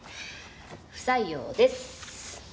不採用です。